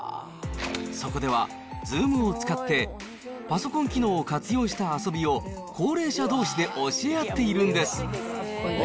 そこでは、Ｚｏｏｍを使って、パソコン機能を活用した遊びを、高齢者どうしで教え合っているんです。